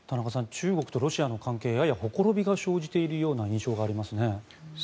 中国とロシアの関係ややほころびが生じているような印象がありますね。